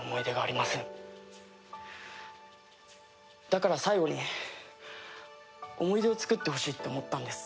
だから最後に思い出を作ってほしいって思ったんです。